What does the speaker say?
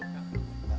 oval dan juga kain